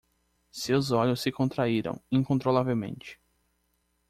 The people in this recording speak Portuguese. Seus olhos se contraíram incontrolavelmente.